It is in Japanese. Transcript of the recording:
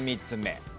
３つ目。